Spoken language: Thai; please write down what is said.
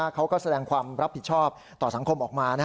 เขาก็แสดงความรับผิดชอบต่อสังคมออกมา